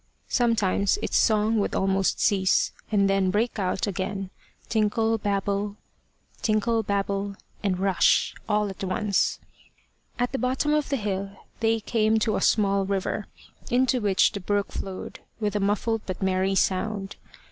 Sometimes its song would almost cease, and then break out again, tinkle, babble, and rush, all at once. At the bottom of the hill they came to a small river, into which the brook flowed with a muffled but merry sound.